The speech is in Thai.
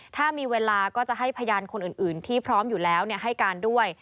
ถ้ามีเวลาก็จะให้พยานคนอื่นที่พร้อมอยู่แล้วให้การด้วย